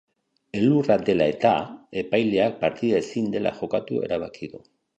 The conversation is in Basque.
Elurra dela eta epaileak partida ezin dela jokatu erabaki du.